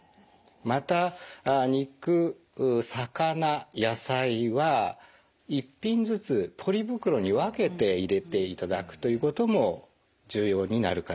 また肉・魚・野菜は１品ずつポリ袋に分けて入れていただくということも重要になるかと思います。